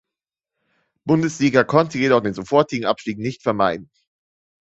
Bundesliga, konnte jedoch den sofortigen Abstieg nicht vermeiden.